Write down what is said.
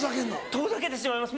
遠ざけてしまいます。